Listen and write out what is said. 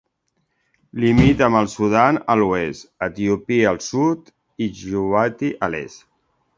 Limita amb el Sudan a l'oest, Etiòpia al sud i Djibouti a l'est.